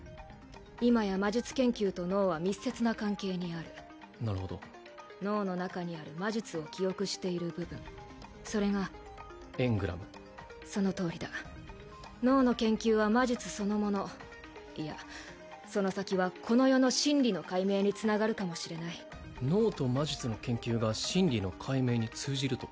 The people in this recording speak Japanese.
今や魔術研究と脳は密接な関係にあるなるほど脳の中にある魔術を記憶している部分それがエングラムそのとおりだ脳の研究は魔術そのものいやその先はこの世の真理の解明につながるかもしれない脳と魔術の研究が真理の解明に通じると？